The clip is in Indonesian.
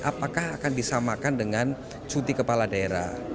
apakah akan disamakan dengan cuti kepala daerah